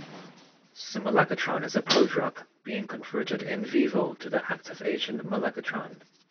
Ximelagatran is a prodrug, being converted "in vivo" to the active agent melagatran.